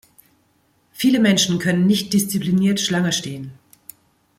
Viele Menschen können nicht diszipliniert Schlange stehen.